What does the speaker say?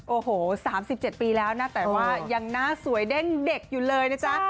โอ้โห๓๗ปีแล้วนะแต่ว่ายังหน้าสวยเด้งเด็กอยู่เลยนะจ๊ะ